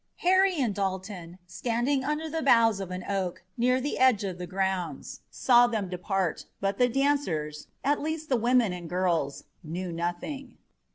Harry and Dalton, standing under the boughs of an oak, near the edge of the grounds, saw them depart, but the dancers, at least the women and girls, knew nothing.